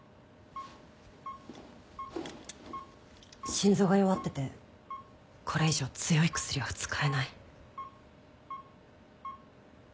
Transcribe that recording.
心臓が弱っててこれ以上強い薬は使えない。